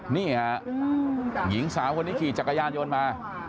เนี่ยหญิงสาวคนนี้ขี่จักษ์ย้อนมา